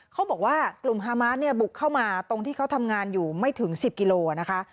เขาบอกว่ากลุ่มฮามาสเนี่ยบุกเข้ามาตรงที่เขาทำงานอยู่ไม่ถึง๑๐กิโลนะคะ